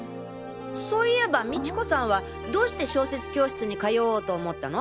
そういえば美知子さんはどうして小説教室に通おうと思ったの？